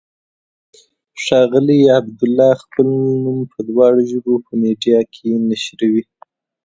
ښاغلی عبدالله خپل نوم په دواړو ژبو په میډیا کې نشروي.